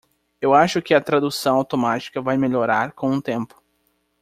Eu acho que a tradução automática vai melhorar com o tempo.